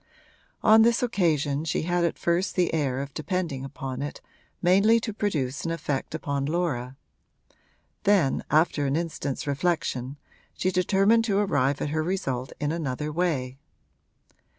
On this occasion she had at first the air of depending upon it mainly to produce an effect upon Laura; then, after an instant's reflection, she determined to arrive at her result in another way.